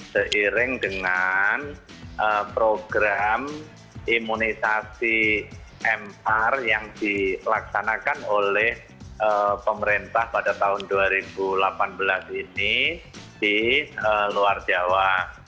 seiring dengan program imunisasi mr yang dilaksanakan oleh pemerintah pada tahun dua ribu delapan belas ini di luar jawa